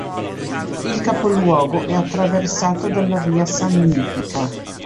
Il capoluogo è attraversato dalla via Sannitica.